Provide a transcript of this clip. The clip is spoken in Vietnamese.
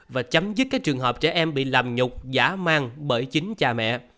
và chấm dứt các trường hợp trẻ em bị làm nhục giả mang bởi chính cha mẹ